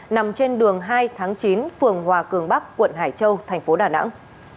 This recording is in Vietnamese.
nằm trên đường hai tháng chín phường hòa cường bắc quận hải châu thành phố đà nẵng